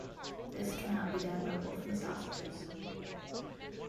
This cannot be done by wolfing sausages.